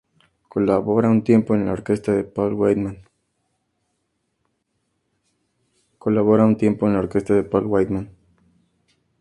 Colabora un tiempo en la orquesta de Paul Whiteman.